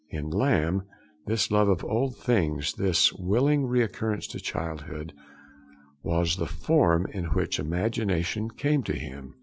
In Lamb this love of old things, this willing recurrence to childhood, was the form in which imagination came to him.